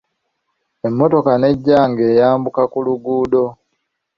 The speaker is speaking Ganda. Emmotoka n'ejja nga eyambuka ku luguudo.